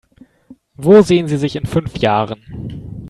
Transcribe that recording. Wo sehen Sie sich in fünf Jahren?